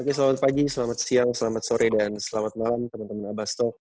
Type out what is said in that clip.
oke selamat pagi selamat siang selamat sore dan selamat malam teman teman abastok